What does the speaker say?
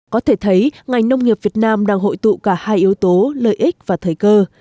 có thể thấy ngành nông nghiệp việt nam đang hội tụ cả hai yếu tố lợi ích và thời cơ